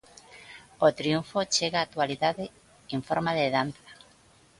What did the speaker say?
O triunfo chega á actualidade en forma de danza.